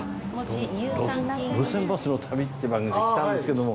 『路線バスの旅』っていう番組で来たんですけども。